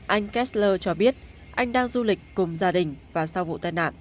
anh ke cho biết anh đang du lịch cùng gia đình và sau vụ tai nạn